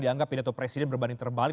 dianggap ya atau presiden berbanding terbalik